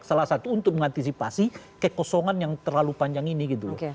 salah satu untuk mengantisipasi kekosongan yang terlalu panjang ini gitu loh